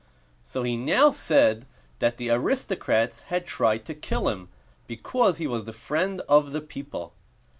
So he now said that the aristocrats had tried to kill him because he was the friend of the people.